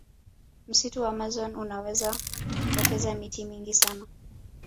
msitu wa amazon unaweza kupoteza miti mingi sana